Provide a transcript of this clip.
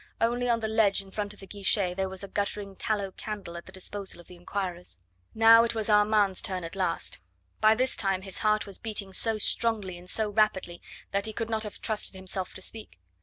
Only on the ledge in front of the guichet there was a guttering tallow candle at the disposal of the inquirers. Now it was Armand's turn at last. By this time his heart was beating so strongly and so rapidly that he could not have trusted himself to speak.